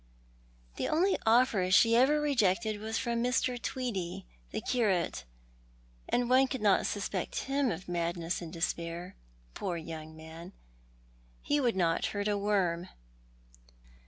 "The only offer she ever rejected was from Mr. Tweedie, the curate, and one could not suspect him of madness and despair. Poor young man. lie would not hurt a worm."